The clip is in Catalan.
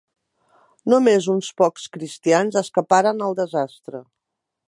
Només uns pocs cristians escaparen al desastre.